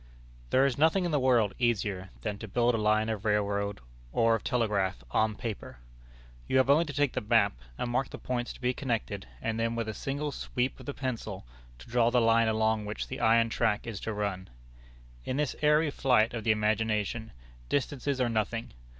There is nothing in the world easier than to build a line of railroad, or of telegraph, on paper. You have only to take the map, and mark the points to be connected, and then with a single sweep of the pencil to draw the line along which the iron track is to run. In this airy flight of the imagination, distances are nothing.